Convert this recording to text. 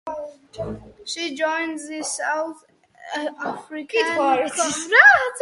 She joined the South African Communist Party immediately.